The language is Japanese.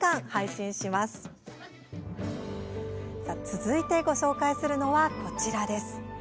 続いてご紹介するのはこちらです。